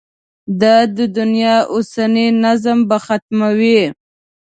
دا د دنیا اوسنی نظم به ختموي.